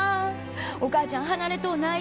お母ちゃん離れとうない。